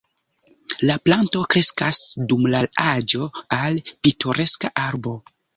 La planto kreskas dum la aĝo al pitoreska arbo.